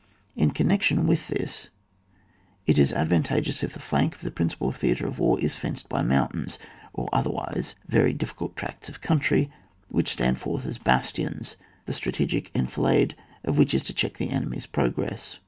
In connection with this it is advantageous if the flank of the principal theatre of war is fenced in by mount£iinS| or otherwise very difficult tracts of country, which stand forth as bastions, the strategic enfilade of which is to check the enemy's progress.